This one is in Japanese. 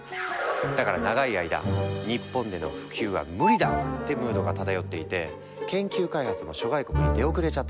だから長い間日本での普及は無理だわってムードが漂っていて研究開発も諸外国に出遅れちゃってたんだ。